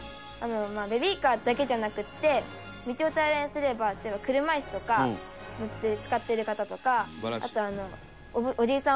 ベビーカーだけじゃなくて道を平らにすれば例えば車椅子とか乗って使ってる方とかあとおじいさん